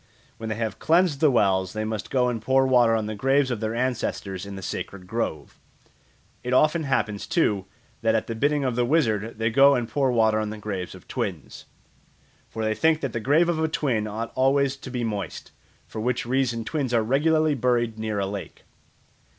When they have cleansed the wells, they must go and pour water on the graves of their ancestors in the sacred grove. It often happens, too, that at the bidding of the wizard they go and pour water on the graves of twins. For they think that the grave of a twin ought always to be moist, for which reason twins are regularly buried near a lake.